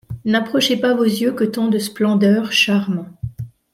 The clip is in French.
N'approchez pas vos yeux que tant de splendeur charme ;